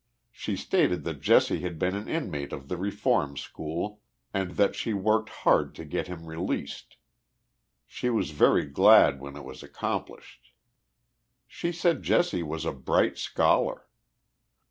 She stated that Jesse had been an inmate of the Reform School and that she worked hard to get him released. She was very glad when it was accomplished. She said Jesse was a bright scholar.